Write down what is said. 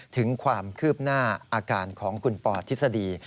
ถึงความคืบหน้าอาการของคุณปอทฤษฎี